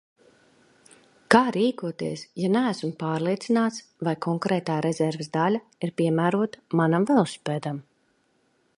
Kā rīkoties, ja neesmu pārliecināts, vai konkrētā rezerves daļa ir piemērota manam velosipēdam?